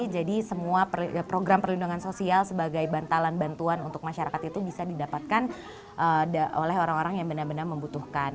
jadi semua program perlindungan sosial sebagai bantalan bantuan untuk masyarakat itu bisa didapatkan oleh orang orang yang benar benar membutuhkan